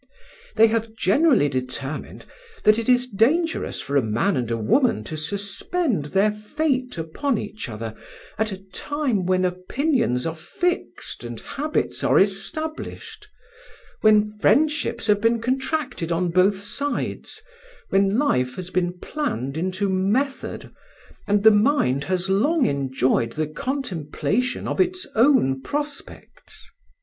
They have generally determined that it is dangerous for a man and woman to suspend their fate upon each other at a time when opinions are fixed and habits are established, when friendships have been contracted on both sides, when life has been planned into method, and the mind has long enjoyed the contemplation of its own prospects.